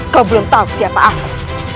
kau belum tahu siapa aku